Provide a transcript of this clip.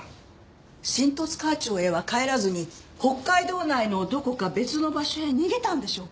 新十津川町へは帰らずに北海道内のどこか別の場所へ逃げたんでしょうか？